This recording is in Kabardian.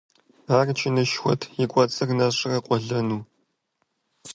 Ар чынышхуэт, и кӀуэцӀыр нэщӀрэ къуэлэну .